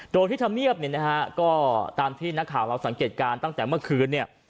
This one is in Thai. โดยที่ธรรมเนียบเนี่ยนะฮะก็ตามที่นักข่าวเราสังเกตการณ์ตั้งแต่เมื่อคืนเนี่ย